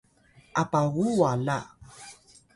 apawu wala